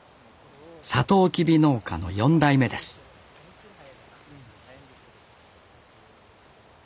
サトウキビ農家の４代目ですあ